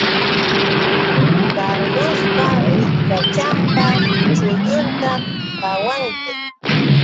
Carlospa willkachanpa chullunta qawanki